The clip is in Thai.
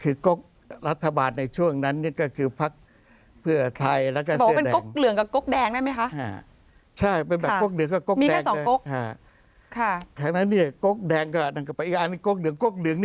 คือกกรัฐบาลในช่วงนั้นเนี้ยก็คือภรรยาสถิตจ์เพื่อไทยแล้วก็เสื้อแดง